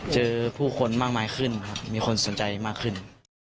เจอผู้คนมากมายขึ้นครับมีคนสนใจมากขึ้น